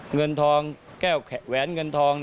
เงินทองแก้วแข็งแหวนเงินทอง